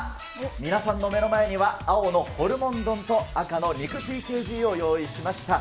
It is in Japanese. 皆さんの目の前には、青のホルモン丼と赤の肉ＴＫＧを用意しました。